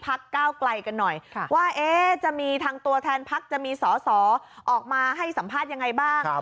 ก้าวไกลกันหน่อยว่าจะมีทางตัวแทนพักจะมีสอสอออกมาให้สัมภาษณ์ยังไงบ้าง